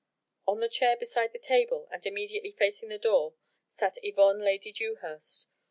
On the chair beside the table and immediately facing the door sat Yvonne Lady Dewhurst.